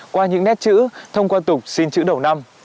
qua những nét chữ thông qua tục xin chữ đầu năm